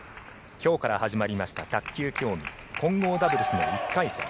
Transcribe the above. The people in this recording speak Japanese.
今日から始まりました卓球競技混合ダブルスの１回戦。